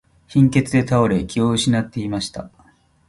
貧血で倒れ、気を失っていました。